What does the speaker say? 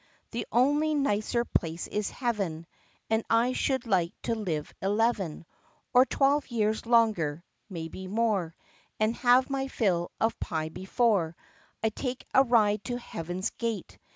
The only nicer place is. heaven And I should like to live eleven Or twelve years longer — maybe more — And have my fill of pie before I take a ride to heaven's gate.